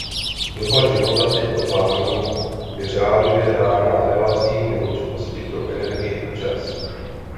Doba života těchto párů je řádově dána relací neurčitosti pro energii a čas.